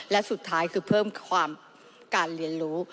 และสุดท้ายคือเพิ่มความการเรียนรู้